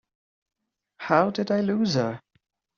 How did I lose her?